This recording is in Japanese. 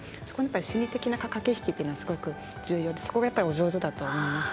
心理的な駆け引きというのが重要でお上手だと思います。